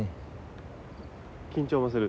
緊張もする？